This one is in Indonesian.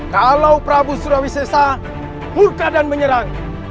kalau prabu surawi sesa murka dan menyerang